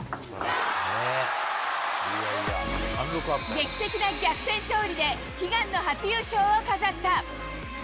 劇的な逆転勝利で悲願の初優勝を飾った。